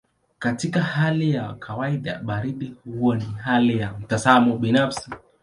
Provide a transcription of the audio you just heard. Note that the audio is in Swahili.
Katika hali ya kawaida baridi huwa ni hali ya mtazamo binafsi.